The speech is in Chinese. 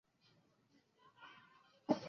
此时期可谓包浩斯发展重要的转捩点。